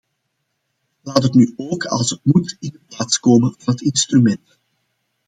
Laat het nu ook als het moet in de plaats komen van het instrument.